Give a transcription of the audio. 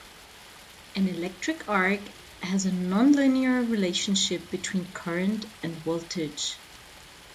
An electric arc has a non-linear relationship between current and voltage.